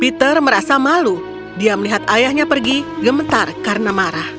peter merasa malu dia melihat ayahnya pergi gementar karena marah